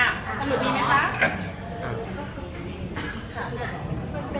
ก็คือ๒ล้าน๒ค่ะ